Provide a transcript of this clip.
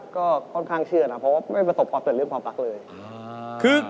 ก็ค่อนข้างเชื่อนะเพราะว่าไม่ประสบความสำเร็จเรื่องความรักเลย